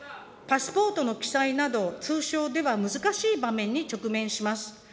パスポートの記載など、通称では難しい場面に直面します。